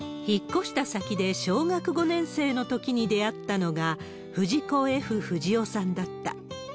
引っ越した先で小学５年生のときに出会ったのが、藤子・Ｆ・不二雄さんだった。